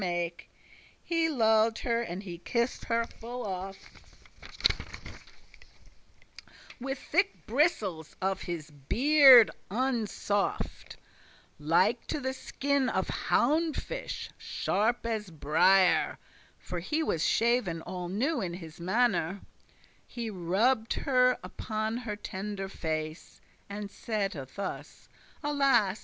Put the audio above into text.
* *mate He lulled her, he kissed her full oft; With thicke bristles of his beard unsoft, Like to the skin of houndfish,* sharp as brere *dogfish briar (For he was shav'n all new in his mannere), He rubbed her upon her tender face, And saide thus; "Alas!